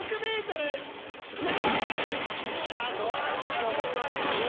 素晴らしい記録が出ました。